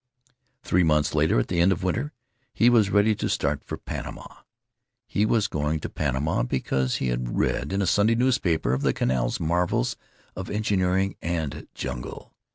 Three months later, at the end of winter, he was ready to start for Panama. He was going to Panama because he had read in a Sunday newspaper of the Canal's marvels of engineering and jungle.